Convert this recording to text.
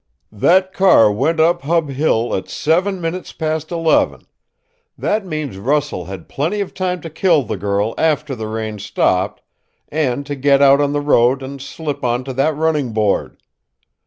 "That car went up Hub Hill at seven minutes past eleven that means Russell had plenty of time to kill the girl after the rain stopped and to get out on the road and slip on to that running board.